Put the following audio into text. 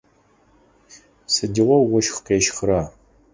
Сыдигъо ощх къещхра?